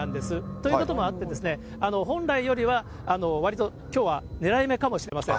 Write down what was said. ということもあって、本来よりはわりときょうは狙い目かもしれません。